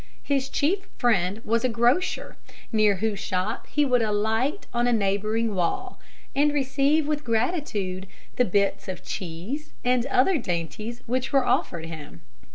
His chief friend was a grocer, near whose shop he would alight on a neighbouring wall, and receive with gratitude the bits of cheese and other dainties which were offered him.